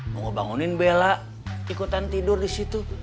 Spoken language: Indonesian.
mau ngebangunin bela ikutan tidur disitu